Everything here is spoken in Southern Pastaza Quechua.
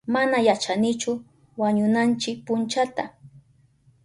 Mana yachanchichu wañunanchi punchata.